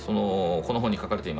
この本に書かれています